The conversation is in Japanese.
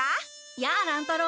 やあ乱太郎！